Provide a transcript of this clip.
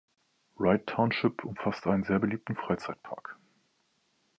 Wright Township umfasst einen sehr beliebten Freizeitpark.